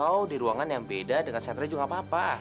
atau di ruangan yang beda dengan satria juga gak apa apa